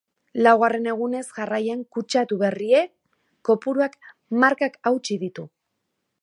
Laugarren egunez jarraian kutsatu berrien kopuruak markak hautsi ditu.